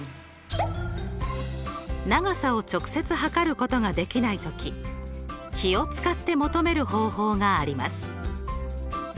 長さを直接測ることができない時比を使って求める方法があります。